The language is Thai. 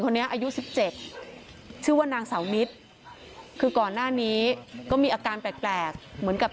อายุสิบเจ็ดชื่อว่านางเสานิดคือก่อนหน้านี้ก็มีอาการแปลกเหมือนกับ